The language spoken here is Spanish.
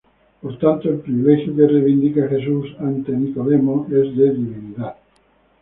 Por tanto, el privilegio que reivindica Jesús ante Nicodemo es de divinidad.